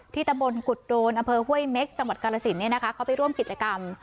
ที่ตะบนกุฎโดนอเฮ่ยเม็กจังหวัดกาลสินเนี่ยนะคะเขาไปร่วมกิจกรรม